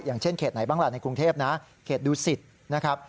อย่างเช่นเขตไหนบ้างล่ะในกรุงเทพนะเขตดูสิตนะครับ